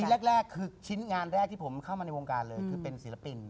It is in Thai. แรกคือชิ้นงานแรกที่ผมเข้ามาในวงการเลยคือเป็นศิลปิน